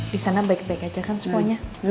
disana baik baik aja kan semuanya